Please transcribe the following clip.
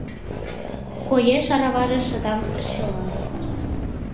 Коеш араваже шыдаҥ пырчыла